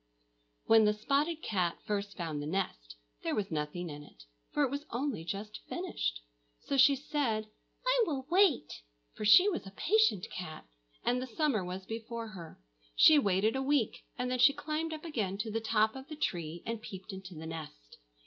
WHEN the spotted cat first found the nest, there was nothing in it, for it was only just finished. So she said, "I will wait!" for she was a patient cat, and the summer was before her. She waited a week, and then she climbed up again to the top of the tree, and peeped into the nest.